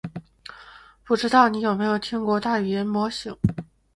不知道你有没有听过大语言模型？